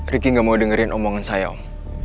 ricky gak mau dengerin omongan saya om